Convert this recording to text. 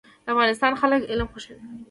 د افغانستان خلک علم خوښوي